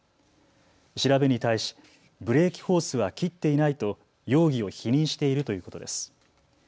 調べに対し、ブレーキホースは切っていないと容疑を否認しているということです。